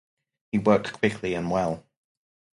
He worked quickly and well.